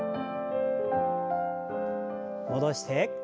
戻して。